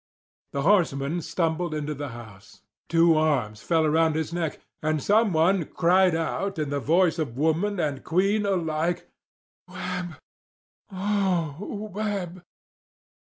The horseman stumbled into the house. Two arms fell around his neck, and someone cried out in the voice of woman and queen alike: "Webb— oh, Webb!"